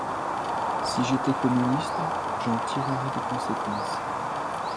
Si j’étais communiste, j’en tirerais des conséquences.